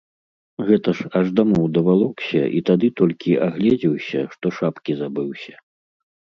Гэта ж аж дамоў давалокся і тады толькі агледзеўся, што шапкі забыўся.